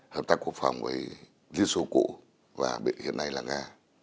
hợp tác quốc phòng với liên xô cụ và hiện nay là nga